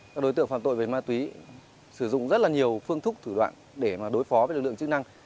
các đối tượng phạm tội về ma túy sử dụng rất là nhiều phương thức thủ đoạn để đối phó với lực lượng chức năng